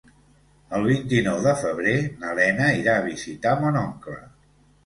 El vint-i-nou de febrer na Lena irà a visitar mon oncle.